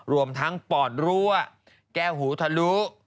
รวมทั้งปอดรั่วแก้วหูทะลุ